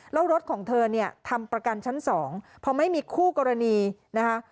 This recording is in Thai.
แล้วรถของเธอทำประกันชั้น๒เพราะไม่มีคู่กรณีนะครับ